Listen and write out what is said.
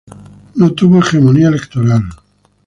No tuvo hegemonía electoral.